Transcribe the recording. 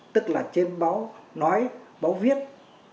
tức là trên báo nói báo viết báo hình